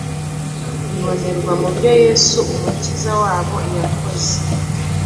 bibonerwa mu byo Yesu Umukiza wabo yakoze.